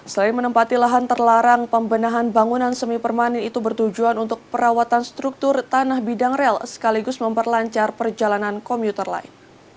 selain menempati lahan terlarang pembenahan bangunan semi permanen itu bertujuan untuk perawatan struktur tanah bidang rel sekaligus memperlancar perjalanan komuter lain